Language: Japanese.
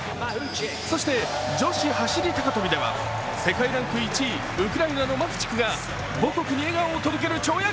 そして女子走高跳では世界ランク１位、ウクライナのマフチクが母国に笑顔を届ける跳躍。